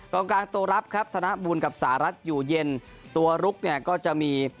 กลางตัวรับครับธนบุญกับสหรัฐอยู่เย็นตัวลุกเนี่ยก็จะมี